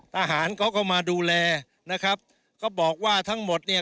ทหารเขาก็มาดูแลนะครับก็บอกว่าทั้งหมดเนี่ย